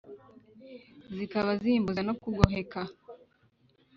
Zikaba zimbuza no kugoheka.